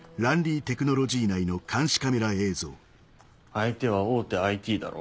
相手は大手ＩＴだろ？